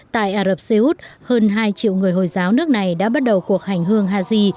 tại ả rập xê út hơn hai triệu người hồi giáo nước này đã bắt đầu cuộc hành hương haji